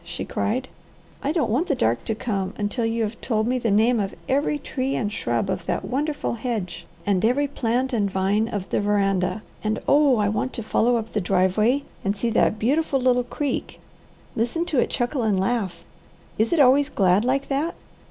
she cried. "I don't want the dark to come, until you have told me the name of every tree and shrub of that wonderful hedge, and every plant and vine of the veranda; and oh I want to follow up the driveway and see that beautiful little creek listen to it chuckle and laugh! Is it always glad like that?